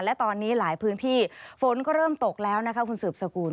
และตอนนี้หลายพื้นที่ฝนก็เริ่มตกแล้วนะคะคุณสืบสกุล